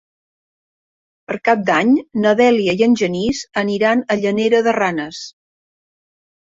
Per Cap d'Any na Dèlia i en Genís aniran a Llanera de Ranes.